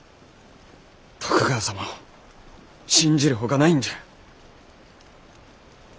徳川様を信じるほかないんじゃ。